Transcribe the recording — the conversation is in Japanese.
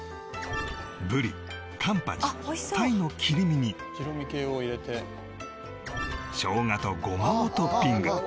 ブリカンパチ鯛の切り身に生姜とゴマをトッピング